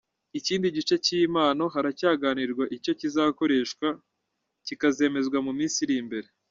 Ikindi gice cy’iyi mpano haracyaganirwa icyo kizakoreshwa, kikazemezwa mu minsi iri imbere.